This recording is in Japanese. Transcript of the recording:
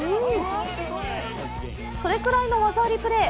それくらいの技ありプレー